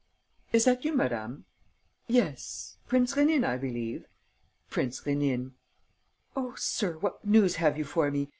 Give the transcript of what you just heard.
"Is that you, madame?" "Yes. Prince Rénine, I believe?" "Prince Rénine." "Oh, sir, what news have you for me?